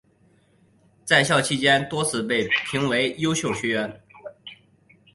在校期间多次被评为优秀学员。